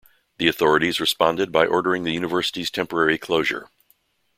The authorities responded by ordering the university's temporary closure.